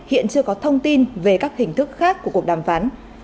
hiện chưa có thông tin về các hình thức khác của cuộc đàm phán